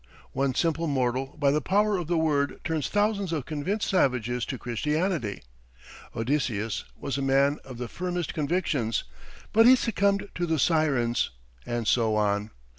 One simple mortal by the power of the word turns thousands of convinced savages to Christianity; Odysseus was a man of the firmest convictions, but he succumbed to the Syrens, and so on.